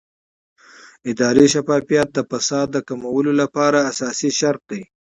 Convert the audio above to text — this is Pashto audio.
اداري شفافیت د فساد د کمولو لپاره اساسي شرط دی